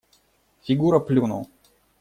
Фигура плюнул.